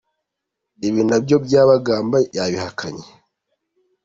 Ibi na byo Byabagamba yabihakanye.